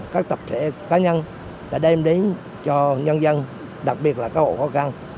các tập thể cá nhân đã đem đến cho nhân dân đặc biệt là các hộ khó khăn